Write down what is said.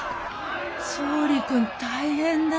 総理君大変だ。